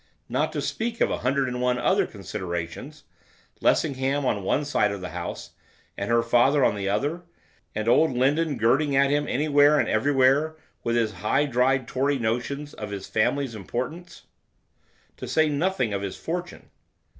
Not to speak of a hundred and one other considerations, Lessingham on one side of the House, and her father on the other; and old Lindon girding at him anywhere and everywhere with his high dried Tory notions of his family importance, to say nothing of his fortune.